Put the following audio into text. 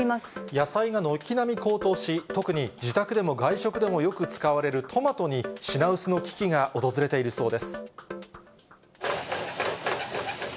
野菜が軒並み高騰し、特に自宅でも外食でもよく使われるトマトに品薄の危機が訪れているそうです。